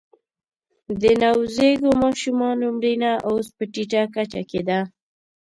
د نوزیږو ماشومانو مړینه اوس په ټیټه کچه کې ده